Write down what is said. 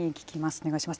お願いします。